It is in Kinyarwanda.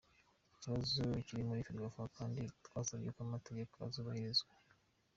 Ikibazo kiri muri Ferwafa kandi twasabye ko amategeko azubahirizwa.